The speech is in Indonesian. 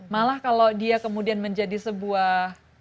malah kalau dia kemudian menjadi sebuah